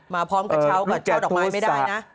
มาพร้อมกระเช้ากับช่อดอกไม้ไม่ได้นะ